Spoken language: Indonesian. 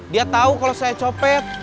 dia tahu kalau saya copet